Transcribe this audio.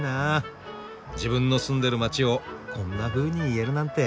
自分の住んでる街をこんなふうに言えるなんて。